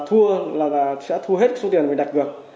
thua là sẽ thua hết số tiền mình đặt cược